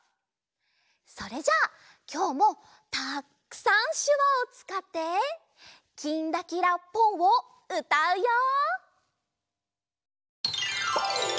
それじゃきょうもたくさんしゅわをつかって「きんらきらぽん」をうたうよ！